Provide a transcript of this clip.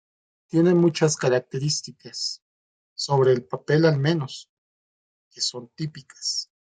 Tiene mucha características, sobre el papel al menos, que son típicas.